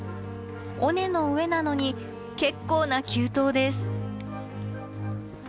尾根の上なのに結構な急登です。